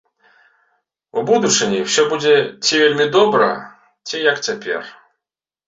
У будучыні ўсё будзе ці вельмі добра, ці як цяпер.